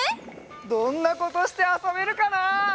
どんなことしてあそべるかな？